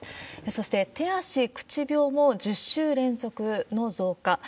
そして、手足口病も１０週連続の増加。